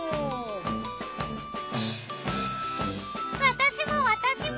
私も私も。